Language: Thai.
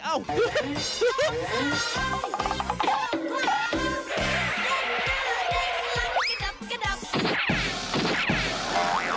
อ้าวฮือฮือฮือ